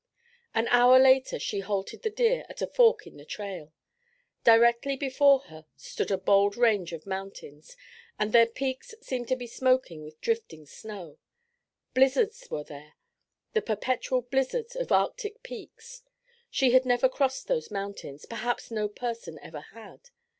An hour later she halted the deer at a fork in the trail. Directly before her stood a bold range of mountains, and their peaks seemed to be smoking with drifting snow. Blizzards were there, the perpetual blizzards of Arctic peaks. She had never crossed those mountains, perhaps no person ever had.